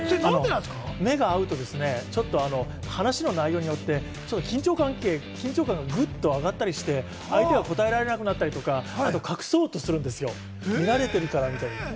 目が合うと、ちょっと話の内容によって、緊張関係、緊張感がぐっと上がったりして、相手が答えられなくなったり、隠そうとするんですよ、見られてるからみたいに。